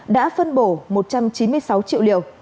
đã phân bổ một trăm chín mươi sáu triệu liều